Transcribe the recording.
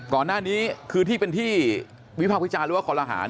ก่อนหน้านี้คือที่เป็นที่วิพากษ์วิจารณ์หรือว่าคอลหาร